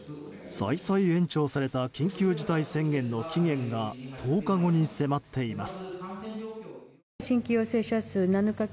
再々延長された緊急事態宣言の期限が１０日後に迫っています。